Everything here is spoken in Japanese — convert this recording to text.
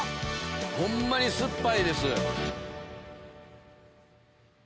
ホンマに酸っぱいです。